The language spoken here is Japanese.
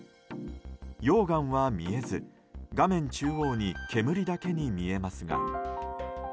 溶岩は見えず、画面中央に煙だけに見えますが。